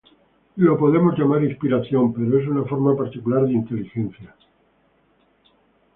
Lo podemos llamar inspiración, pero es una forma particular de inteligencia.